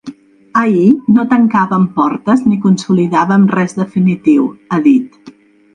Ahir no tancàvem portes ni consolidàvem res definitiu, ha dit.